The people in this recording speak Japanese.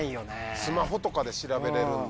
スマホとかで調べれるんで。